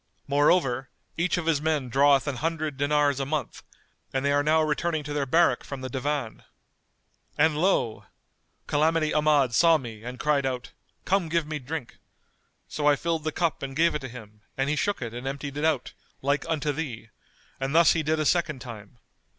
Moreover, each of his men draweth an hundred dinars a month; and they are now returning to their barrack from the Divan.' And lo! Calamity Ahmad saw me and cried out, 'Come give me drink.' So I filled the cup and gave it him, and he shook it and emptied it out, like unto thee; and thus he did a second time.